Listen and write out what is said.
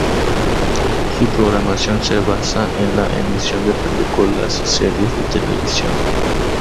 Su programación se basa en la emisión de películas y series de televisión.